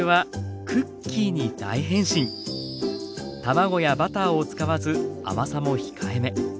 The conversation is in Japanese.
卵やバターを使わず甘さも控えめ。